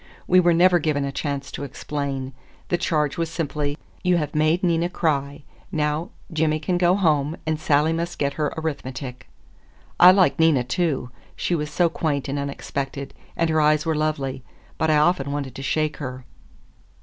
We were never given a chance to explain. The charge was simply: "You have made Nina cry. Now, Jimmy can go home, and Sally must get her arithmetic." I liked Nina, too; she was so quaint and unexpected, and her eyes were lovely; but I often wanted to shake her.